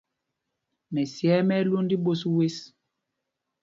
Mɛsyɛɛ mɛ́ ɛ́ lwōnd tí ɓos wes.